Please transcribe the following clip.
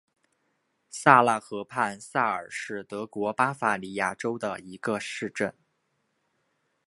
萨勒河畔萨尔是德国巴伐利亚州的一个市镇。